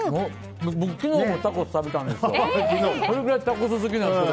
僕昨日もタコス食べたんですよ。